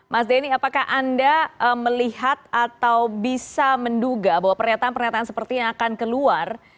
mas denny apakah anda melihat atau bisa menduga bahwa pernyataan pernyataan seperti yang akan keluar